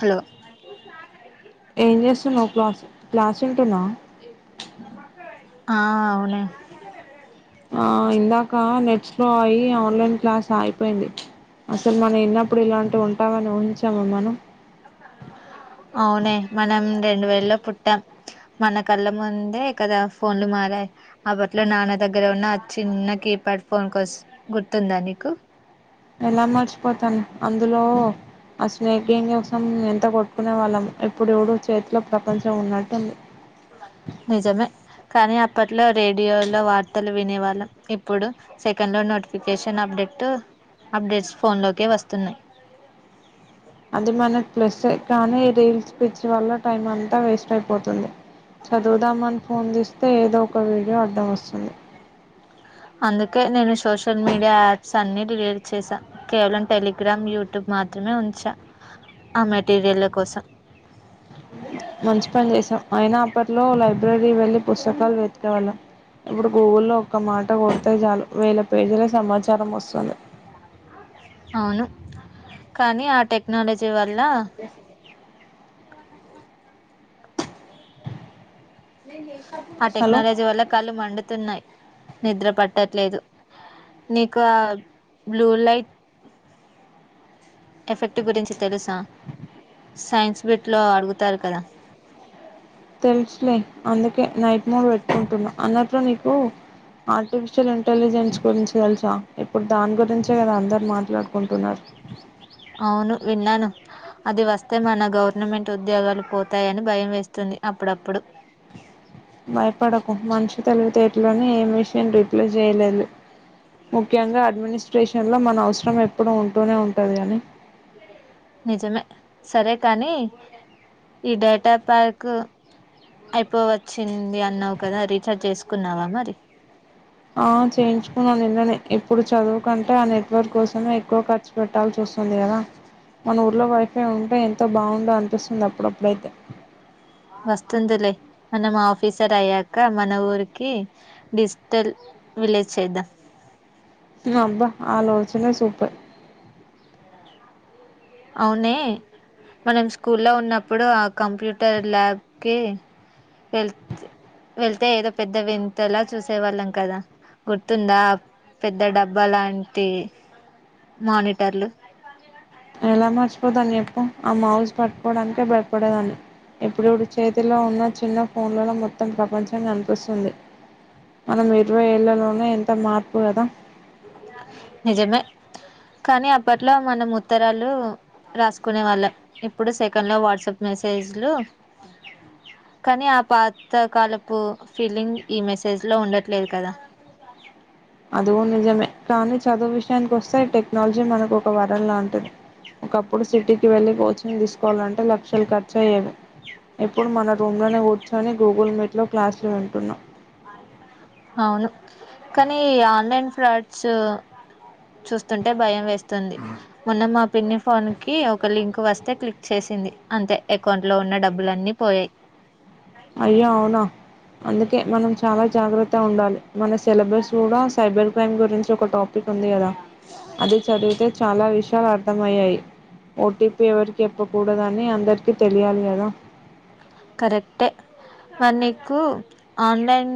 Hello ఏం చేస్తున్నావ్ class class వింటున్నావ ఆ అవునె ఆ ఇందాక నెట్ స్లో అయి ఆన్లైన్ క్లాస్ అయిపోయింది అసలు మనం విన్నప్పుడు ఇలాంటి ఉంటాయని అవునె మనం రెండు వేలల్లో పుట్టాం మన కళ్ళ ముందే కదా ఫోన్లు మారాయి అప్పట్లో నాన్న దగ్గర ఉన్న చిన్న కీప్యాడ్ ఫోన్ కోస్ గుర్తుందా నీకు ఎలా మర్చిపోతాను అందులో ఆ స్నేక్ గేమ్ కోసం ఎంత కొట్టుకునే వాళ్ళం ఇప్పుడుజూడు చేతిలో ప్రపంచం ఉన్నట్టుంది నిజమే కానీ అప్పట్లో రేడియోలో వార్తలు వినేవాళ్ళం ఇప్పుడు సెకండ్లో నోటిఫికేషన్ అప్డేట్ అప్డేట్స్ ఫోన్లోకె వస్తున్నాయి అది మనకి ప్లస్ కానీ ఈ రీల్స్ పిచ్చ వల్ల టైం అంతా వేస్ట్ అయిపోతుంది చదువుదామ అని ఫోన్ తీస్తే ఏదో ఒక వీడియో అడ్డం వస్తుంది అందుకే నేను సోషల్ మీడియా యాప్స్ అన్ని డిలీడ్ చేశాను కేవలం టెలిగ్రామ్ యూట్యూబ్ మాత్రమే ఉంచా ఆ మెటీరియల్ కోసం మంచి పని చేసావ్ అయినా అప్పట్లో లైబ్రరీ వెళ్ళి పుస్తకాలు వెతుకెవాళ్ళాం ఇప్పుడు గూగుల్లో ఒక్క మాట కొడితే చాలు వేల పేజీల సమాచారం వస్తుంది అవును కానీ ఆ టెక్నాలజీ వల్ల లా [inaudible] నెంచేసిన [inaudible] ఆ టెక్నాలజీ వల్ల కళ్ళు మండుతున్నాయ్ నిద్ర పట్టట్లేదు నీకు ఆ బ్లూలైట్ ఎఫెక్ట్ గురించి తెలుసా సైన్స్ బిట్ లో అడుగుతారు కదా. తెలుసులే అందు కే నైట్ మోడు పెట్టుకుంటున్నా, అన్నట్లు నీకు ఆర్టిఫిషియల్ ఇంటెలిజెన్స్ గురించి తెలుసా ఇప్పుడు దాని గురించే కదా అందరు మాట్లాడుకుంటున్నరు. అవును విన్నాను అది వస్తే మన గవర్నమెంట్ ఉద్యోగాలు పోతాయని భయం వేస్తుంది అప్పుడప్పుడు. భయపడకు మనిషి తెలివితేటలోనే ఏం విషయం రిప్లే చేయలేదు, ముఖ్యంగా అడ్మినిస్ట్రేషన్ లో మన అవసరం ఎప్పుడు ఉంటూనే ఉంటది కానీ. నిజమే సరే కానీ ఈ డేటా ప్యాక్ అయిపోవచ్చింది అన్నావు కదా రీఛార్జ్ చేసుకున్నావా మరి. ఆ చేయించుకున్న నిన్ననే. ఇప్పుడు చదువు కంటే ఆ నెట్వర్క్ కోసమే ఎక్కువ ఖర్చు పెట్టాల్సి వస్తుంది కదా, మన ఊర్లో వైఫై ఉంటే ఎంతో బాగుండో అనిపిస్తుంది అప్పుడప్పుడైతే. వస్తుందిలే మనం ఆఫీసర్ అయ్యాక మన ఊరికి డిజిటల్ విలేజ్ చేద్దాం. అబ్బా ఆలోచన సూపర్. అవునె మనం స్కూల్లో ఉన్నప్పుడు ఆ కంప్యూటర్ ల్యాబ్కి వె వెళ్తే ఏదో పెద్ద వింతలా చూసేవాళ్ళం కదా గుర్తుందా పెద్ద డబ్బా లాంటి మానిటర్లు. ఎలా మర్చిపోతాం చెప్పు. ఆ మౌస్ పట్టుకోవడా ంటే భయపడేదాన్ని ఇప్పుడు చూడు చేతిలో ఉన్న చిన్న ఫోన్లలో మొత్తం ప్రపంచం కనిపిస్తుంది, మనం ఇరవై ఏళ్ళలోనె ఎంత మార్పు కదా. నిజమే కానీ అప్పట్లో మనం ఉత్తరాలు రాసుకునే వాళ్ళం ఇప్పుడు సెకండ్లో వాట్సాప్ మెసేజ్లు, కానీ ఆ పాతకాలపు ఫీలింగ్ ఈ మెసేజ్లో ఉండట్లేదు కదా. అదికూడ నిజమే కానీ చదువు విషయానికి వస్తే టెక్నాలజీ మనకు ఒక వరం లాంటిది. ఒకప్పుడు సిటీకి వెళ్ళి కోచింగ్ తీసుకోవాలంటే లక్షలు ఖర్చు అయ్యేవి. ఇప్పుడు మన రూమ్ లోనే కూర్చొని గూగుల్ మీట్ లో క్లాస్లు వింటున్నం. అవును కానీ ఆన్లైన్ ఫ్రాడ్స్ చూస్తుంటే భయం వేస్తుంది. మొన్న మా పిన్ని ఫోన్కి ఒక లింక్ వస్తే క్లిక్ చేసింది, అంతే అకౌంట్ లో ఉన్న డబ్బులు అన్నీ పోయాయి. అయ్యో అవునా అందుకే మనం చాలా జాగ్రత్త ఉండాలి మన సిలబస్ కూడా సైబర్ క్రైమ్ గురించి ఒక టాపిక్ ఉంది కదా అది చదివితే చాలా విష అర్థమయ్యాయి, ఓటీపీ ఎవరికి చెప్పకూడదని అందరికీ తెలియాలి కదా. కరెక్టే మరి నీకు ఆన్లైన్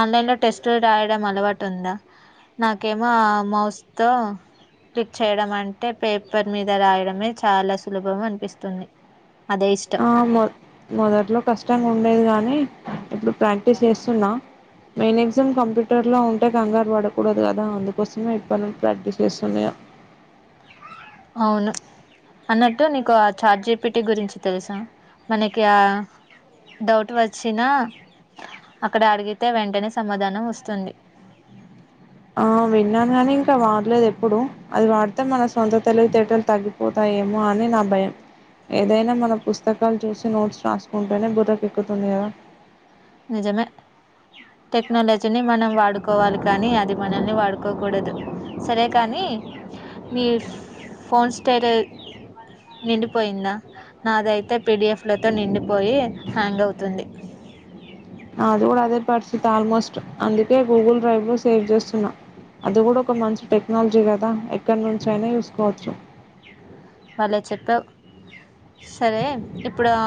ఆన్లైన్లో టెస్టులు రాయడం అలవాటు ఉందా, నాకేమో ఆ మౌస్తో క్లిక్ చేయడం అంటే పేపర్ మీద రాయడమే చాలా సులభం అనిపిస్తుంది. అదే ఇష్ట ఆ మొ మొదట్లో కష్టంగా ఉండేది కానీ. ఇప్పుడు ప్రాక్టీస్ చేస్తున్నా. మెయిన్ ఎగ్జామ్ కంప్యూటర్లో ఉంటే కంగారు పడకూడదు కదా అందుకోసమే ఇప్పన్నున్ ప్రాక్టీస్ చేస్తున్న ఇగ. అవును అన్నట్టు నీకు ఆ చాట్ జి పి టి గురించి తెల్సా మనకి ఆ డౌట్ వచ్చినా అక్కడ అడిగితే వెంటనే సమాధానం వస్తుంది. ఆ విన్నాను కానీ ఇంకా వాడ్లేదు ఎప్పుడు. అది వాడితే మన సొంత తెలివితేటలు తగ్గిపోతాయేమో అని నా భయం ఏదైనా మన పుస్తకాలు చూసి నోట్స్ రాసుకుంటేనే బుర్రకెక్కుతుంది కదా. నిజమే టెక్నాలజీని మనం వాడుకోవాలి కానీ అది మనల్ని వాడుకోకూడదు సరే కానీ మీ ఫోన్ స్టేట్ నిండిపోయిందా, నాదైతే పి డి ఫ్ లతో నిండిపోయి హ్యాంగ్ అవుతుంది. నాది కూడా అదే పరిస్థితి ఆల్మో స్ట్ అందుకే గూగుల్ డ్రైవ్ లో సేవ్ జేస్ స్తున్న అది కూడా ఒక మంచి టెక్నాలజీ కదా ఎక్కడినుంచి అయినా చూసుకోవచ్చు. బలే చెప్పావ్ సరే ఇప్పుడు ఆ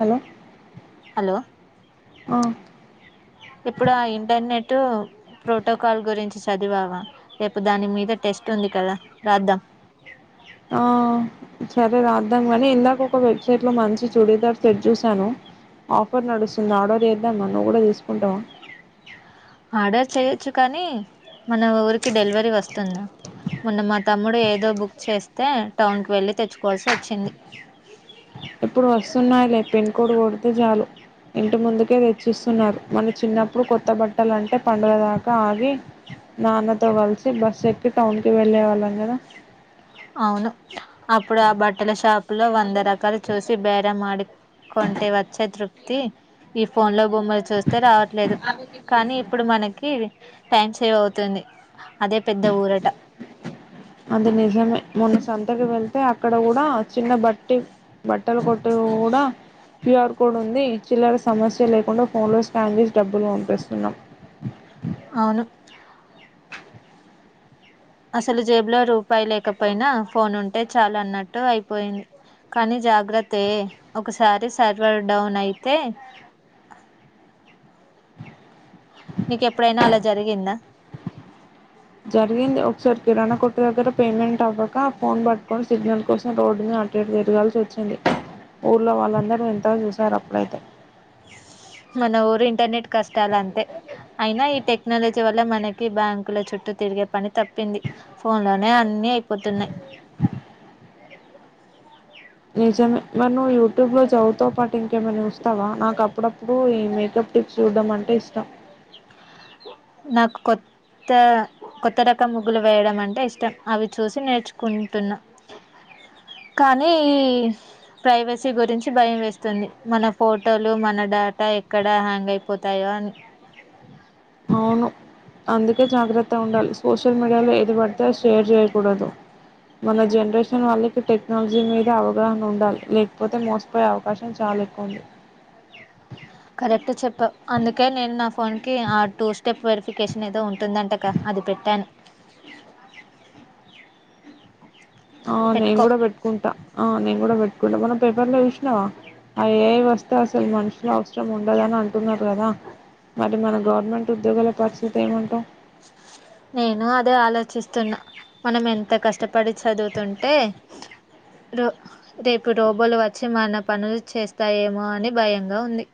హలో హలో ఆ ఇప్పుడు ఆ ఇంటర్నెట్ ప్రోటోకాల్ గురించి చదివావా రేపు దాని మీద టెస్ట్ ఉంది కదా రాద్దాం. ఆ సరే రాద్దాం కానీ ఇందాక ఒక వెబ్సైట్లో మంచి చుడీదార్ సెట్ చూశాను ఆఫర్ నడుస్తుంది ఆర్డర్ చేద్దామా నువ్వు కూడా తీసుకుంటావా. ఆర్డర్ చెయొచ్చు కానీ మన ఊరికి డెలివరీ వస్తుందా మొన్న మా తమ్ముడు ఏదో బుక్ చేస్తే టౌన్కి వెళ్ళి తెచ్చుకోవాల్సి వచ్చింది. ఇప్పుడు వస్తున్నాయిలే పిన్ కోడ్ కొడితే చాలు ఇంటి ముందుకే తెచ్చిస్తున్నారు మన చిన్నప్పుడు కొత్త బట్టలు అంటే పండగ దాకా ఆగి నాన్నతో కలిసి బస్సు ఎక్కి టౌన్కి వెళ్ళేవాళ్ళం కదా. లో వంద రకాలు చూసి బేరమాడి. కొంటే వచ్చే తృప్తి ఈ ఫోన్ లో బొమ్మలు చూస్తే రావట్లేదు కానీ ఇప్పుడు మనకి. టైం సేవ్ అవుతుంది. అదే పెద్ద ఊరట. అది నిజమే మొన్న సంతకి వెళ్తే అక్కడ కూడా చిన్న బట్టి బట్టలు కొట్టు కూడా క్యూఆర్ కోడ్ ఉంది చిల్లర సమస్య లేకుండా ఫోన్లో స్కాన్ చేసి డబ్బులు పంపిస్తున్నాం. అవును. అసలు జేబులో రూపాయి లేకపోయినా ఫోన్ ఉంటే చాల్ అన్నట్టు అయిపోయింది కానీ జాగ్రత్తే ఒకసారి సర్వర్ డౌన్ అయితే నీకెప్పుడైనా అలా. జరిగిందా. జరిగింది ఒకసారి కిరాణా కొట్టు దగ్గర పేమెంట్ అవ్వక ఫోన్ పట్టుకొని సిగ్నల్ కోసం రోడ్ మీన అటు ఇటు తిరగాల్సి వచ్చింది ఊర్లో వాళ్ళందరూ వింతగా చూసారు అప్పుడైతే. మన ఊరీ ఇంటర్నెట్ కష్టాల్ అంతే అయినా ఈ టెక్నాలజీ వల్ల మనకి కి బ్యాంకుల చుట్టూ తిరిగే పని తప్పింది ఫోన్ లోనే అన్ని అయిపోతున్నాయి నిజమే మరి నువ్ యూట్యూబ్ లో చదువుతో పాటు ఇంకేమనా చూస్తావా నాకు అప్పుడప్పుడు ఈ మేకప్ టిప్స్ చూడడం అంటే ఇష్టం నాకు కొత్త కొత్త రకం ముగ్గులు వేయడం అంటే ఇష్టం. అవి చూసి నేర్చుకుంటున్నా కానీ ఈ ప్రైవసీ గురించి భయం వేస్తుంది. మన ఫోటోలు మన డేటా ఎక్కడ హ్యాంగ్ అయిపోతాయో అని అవును అందుకే జాగ్రత్త ఉండాలి సోషల్ మీడియాలో ఏది పడితే షేర్ చేయకూడదు. మన జనరేషన్ వాళ్ళకి టెక్నాలజీ మీద అవగాహన ఉండాలి లేకపోతే మోసపోయే అవకాశం చాలా ఎక్కువ ఉంది. ట్ చెప్పవ్. అందుకే నేను నా ఫోన్ కి ఆ టూ స్టెప్ వెరిఫికేషన్ ఏదో ఉంటుందంటగా అది పెట్టాను. ఆ నేను పెట్టుకో కూడా పెట్టుకుంటా ఆ నేను. మనం పెట్టుకుంటాం మనం పేపర్లో చూషినావా అవి ఏఐ వస్తే అసలు మనుషులు అవసరం ఉండదుని అంటున్నారు కదా మరి మన గవర్నమెంట్ ఉద్యోగాల పరిస్థితి ఏమంటాం. నేను అదే ఆలోచిస్తున్నా మనం ఎంత కష్టపడి చదువుతుంటే రో రేపు రోబోలు వచ్చి మన పనులు చేస్తాయేమో అని భయంగా ఉంది.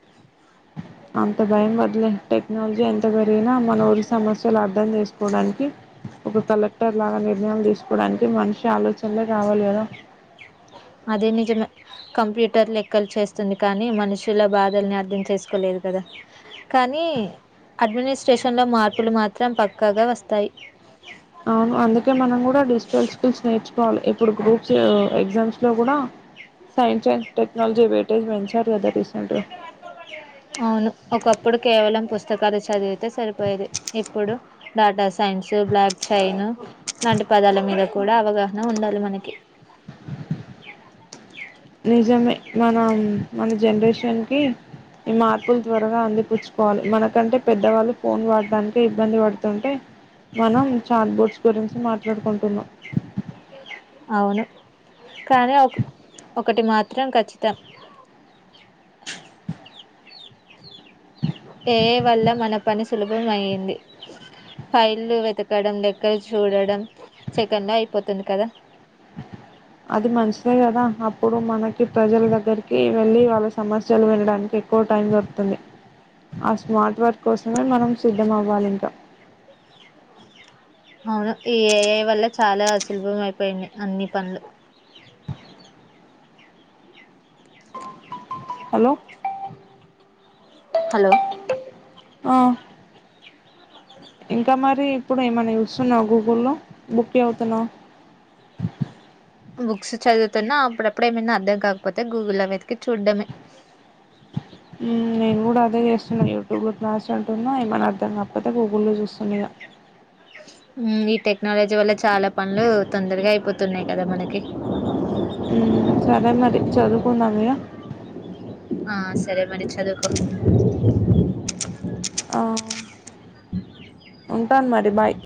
అంత భయం టెక్నాలజీ ఎంత పెరిగినా మన ఊరి సమస్యలు అర్థం చేసుకోవడానికి ఒక కలెక్టర్ లాగా నిర్ణయాలు తీసుకోవడానికి మనిషి ఆలోచనలే కావాలి కదా అదే నిజంమే కంప్యూటర్ లెక్కలు చేస్తుంది కానీ మనుషుల బాధల్ని అర్థం చేసుకోలేదు కదా కానీ అడ్మినిస్ట్రేషన్లో మార్పులు మాత్రం పక్కాగా వస్తాయి అవును అందుకే మనం కూడా డిజిటల్ స్కిల్స్ నేర్చుకోవాలి ఇప్పుడు గ్రూప్స్ ఎగ్జామ్స్ లో కూడా సైన్స్ అ టెక్నాలజీ వైటేజ్ పెంచారు కదా రీసెంట్ గా అవును ఒకప్పుడు కేవలం పుస్తకాలు చదివితే సరిపోయేది ఇప్పుడు డాటా సైన్స్ బ్లాక్ చైన్ లాంటి పదాల మీద కూడా అవగాహన ఉండాలి మనకి నిజమే మనం మన జనరేషన్కి ఈ మార్పులు త్వరగా అందిపుచ్చుకోవాలి మనకంటే పెద్దవాళ్ళు ఫోన్ వాడడానికి ఇబ్బంది పడుతుంటే మనం చార్ట్బోర్డ్స్ గురించి మాట్లాడుకుంటున్నాం అవును కానీ ఒక ఒకటి మాత్రం కఖచ్చితం ఏ వల్ల మన పని సులభం అయింది ఫైల్లు వెతకడం లెక్క చూడడం సెకెన్ లో అయిపోతుంది కదా అది మంచిదే కదా అప్పుడు మనకి ప్రజల దగ్గరికి వెళ్ళి వాళ్ళ సమస్యలు వినడానికి ఎక్కువ టైం దొరుకుతుంది ఆ స్మార్ట్ వర్క్ కోసమే మనం సిద్ధం అవ్వాలి ఇంకా అవును ఈ ఏఐ వల్ల చాలా అసులభం అయిపోయింది అన్ని పనులు హలో హలో ఆ ఇంకా మరి ఇప్పుడు ఏమైన్నా చూస్తున్నావా గూగుల్లో బుక్కే అవుతున్నావు బుక్స్ చదువుతున్నా అప్పుడప్పుడేమన్నా అర్థం కాకపోతే గూగుల్లో వెతికి చూడ్డమే నేను కూడా డ్రై జేస్సున్నా యూట్యూబ్ లో క్లాస్ వింటున్నా ఏమని అర్థం కాకపోతే గూగుల్లో లో చూస్తున్నా ఇగ మ్మ్ ఈ టెక్నాలజీ వల్ల చాలా పనులు తొందరగా అయిపోతున్నాయి కదా మనకి. హ్మ్ సరే మరి చదువుకుందాం ఇగ ఆ సరే మరి చదువుకో ఆమ్ ఉంటాను మరి బాయ్